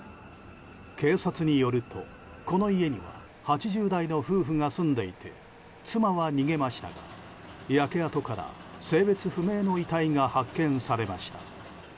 警察によると、この家には８０代の夫婦が住んでいて妻は逃げましたが、焼け跡から性別不明の遺体が発見されました。